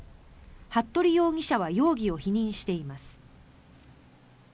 服部容疑者は容疑を否認しています。